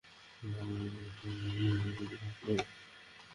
সেই আলোয় আলোকিত হয়ে পঞ্চম শ্রেণিতে পড়ার সময়ই প্রতিযোগিতামূলক দাবায় হাতেখড়ি।